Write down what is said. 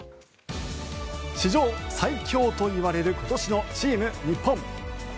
史上最強と言われる今年のチーム日本。